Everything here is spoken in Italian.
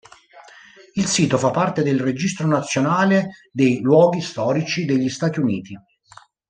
Il sito fa parte del Registro nazionale dei luoghi storici degli Stati Uniti.